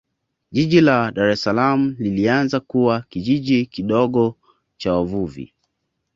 jiji la dar es salaam lilianza kama kijiji kidogo cha wavuvi